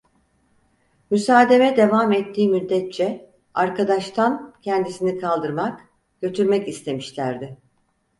Müsademe devam ettiği müddetçe, arkadaştan kendisini kaldırmak, götürmek istemişlerdi.